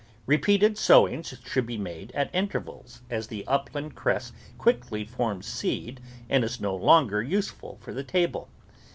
Repeated sowings should be made at intervals, as the upland cress quickly forms seed and is no longer useful for the table.